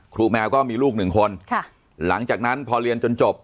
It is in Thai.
แมวก็มีลูกหนึ่งคนค่ะหลังจากนั้นพอเรียนจนจบ